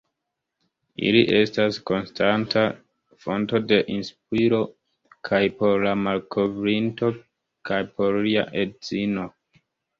Ili estas konstanta fonto de inspiro kaj por la malkovrinto kaj por lia edzino.